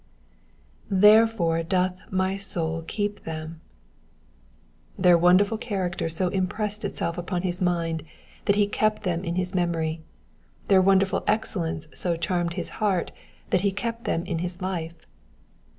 ^^ Therefore doth my sovl keep them,'*^ Their wonderful character so impressed itself upon his mind that he kept them in his memory : their wonderful ex cellence so charmed his heart that he kept them in his life.